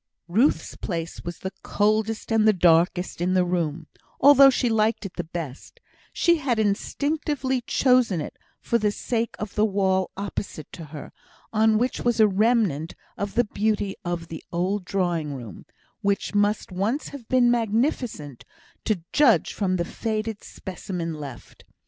Ruth's place was the coldest and the darkest in the room, although she liked it the best; she had instinctively chosen it for the sake of the wall opposite to her, on which was a remnant of the beauty of the old drawing room, which must once have been magnificent, to judge from the faded specimen left.